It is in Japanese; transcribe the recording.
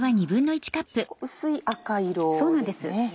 薄い赤色ですね。